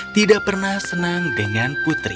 tidak pernah senang dengan putri